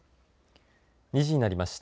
２時になりました。